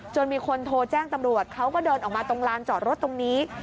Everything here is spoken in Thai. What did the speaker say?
มีคนโทรแจ้งตำรวจเขาก็เดินออกมาตรงลานจอดรถตรงนี้